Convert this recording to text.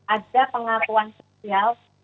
ada pengakuan sosial